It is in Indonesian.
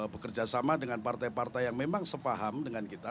bekerja sama dengan partai partai yang memang sepaham dengan kita